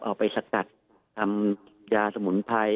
เอาไปสกัดทำยาสมุนไพร